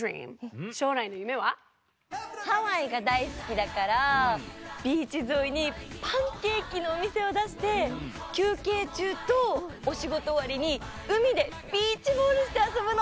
ハワイがだいすきだからビーチぞいにパンケーキのおみせをだしてきゅうけいちゅうとおしごとおわりにうみでビーチボールしてあそぶの！